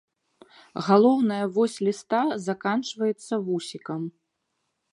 Галоўная вось ліста заканчваецца вусікам.